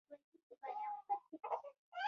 د روم ځوړتیا د فیوډالېزم په پایښت تمام شو.